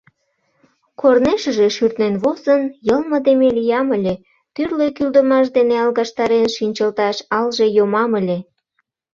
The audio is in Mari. Корнешыже шӱртнен возын, йылмыдыме лиям ыле, тӱрлӧ кӱлдымаш дене алгаштарен шинчылташ алже йомам ыле.